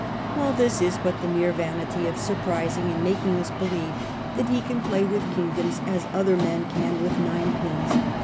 . All this is but the mere vanity of surprising, and making us believe that he can play with kingdoms as other men can with ninepins.